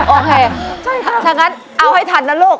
โอเคถ้างั้นเอาให้ทันนะลูก